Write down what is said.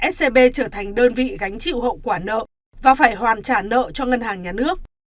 scb trở thành đơn vị gánh chịu hậu quả nợ và phải hoàn trả nợ cho ngân hàng nhà nước